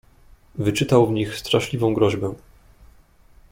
"Wyczytał w nich straszliwą groźbę."